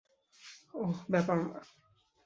ওহ, ব্যাপার না।